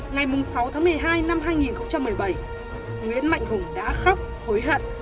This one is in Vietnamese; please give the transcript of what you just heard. ngày sáu tháng một mươi hai năm hai nghìn một mươi bảy nguyễn mạnh hùng đã khóc hối hận